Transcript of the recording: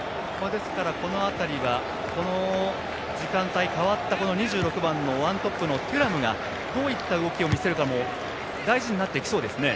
ですから、この時間帯代わった２６番、ワントップのテュラムがどういった動きを見せるかも大事になってきそうですね。